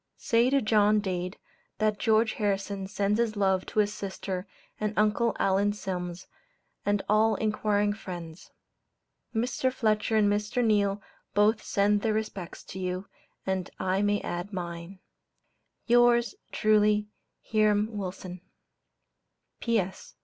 Say to John Dade, that George Harrison sends his love to his sister and Uncle Allen Sims, and all inquiring friends. Mr. Fletcher and Mr. Neale both send their respects to you, and I may add mine. Yours truly, HIRAM WILSON. P.S.